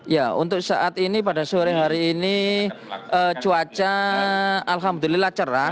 ya untuk saat ini pada sore hari ini cuaca alhamdulillah cerah